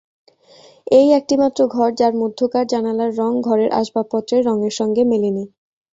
এই একটিমাত্র ঘর, যার মধ্যকার জানালার রঙ ঘরের আসবাবপত্রের রঙের সঙ্গে মেলেনি।